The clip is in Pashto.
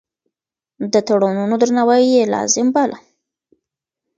د تړونونو درناوی يې لازم باله.